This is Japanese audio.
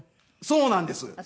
そうなんです。